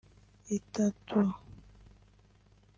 itatu